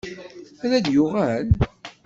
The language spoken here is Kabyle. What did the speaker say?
Ad d-yuɣal?